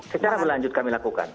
secara berlanjut kami lakukan